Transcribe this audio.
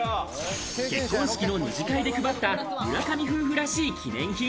結婚式の２次会で配った村上夫婦らしい記念品。